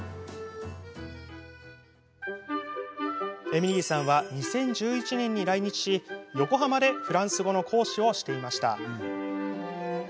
エミリーさんは２０１１年に来日し、横浜でフランス語の講師をしていました。